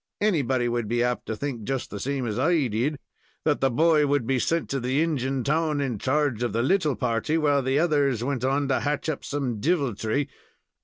Anybody would be apt to think just the same as I did that the boy would be sent to the Injun town in charge of the little party, while the others went on to hatch up some deviltry.